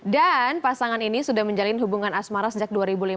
dan pasangan ini sudah menjalin hubungan asmara sejak dua ribu lima belas